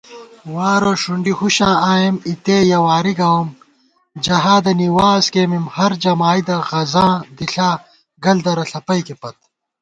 وارہ ݭُنڈی ہُوشاں آئیم، اِتے یَہ واری گاؤم * جہادنی وعظ کئیمېم ہر جمائیدہ غزاں دِݪا گل درہ ݪپَئیکےپت